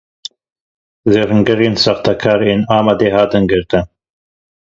Zêrîngerên sextekar ên Amedê hatin girtin.